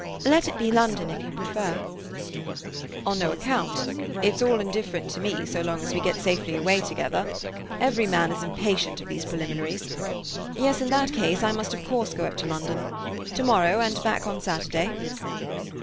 "Let it be London if you prefer—" "On no account. It's all indifferent to me so long as we get safely away together. Every man is impatient of these preliminaries. Yes, in that case I must of course go up to London. To morrow, and back on Saturday?"